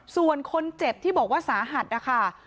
ส่วนคนเจ็บที่บอกว่าสาหัสนะคะ